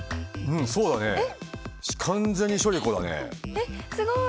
えっすごい。